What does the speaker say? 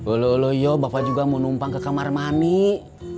ulu ulu iyo bapak juga mau numpang ke kamar manis